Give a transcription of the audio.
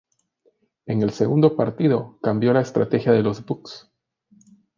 En el segundo partido cambió la estrategia de los Bucks.